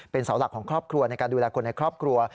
เสาหลักของครอบครัวในการดูแลคนในครอบครัว